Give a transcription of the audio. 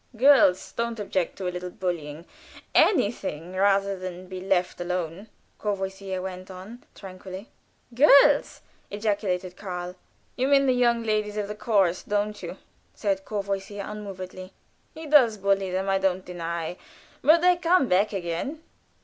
"Girls don't object to a little bullying; anything rather than be left quite alone," Courvoisier went on, tranquilly. "Girls!" ejaculated Karl. "You mean the young ladies in the chorus, don't you?" asked Courvoisier, unmovedly. "He does bully them, I don't deny; but they come back again."